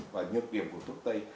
và nhược điểm của thuốc tây